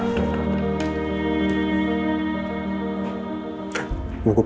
asyik aja gak keluar